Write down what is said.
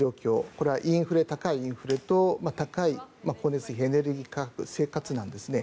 これは高いインフレと高い光熱費、エネルギー価格生活難ですね。